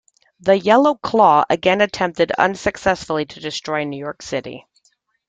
The Yellow Claw again attempted unsuccessfully to destroy New York City.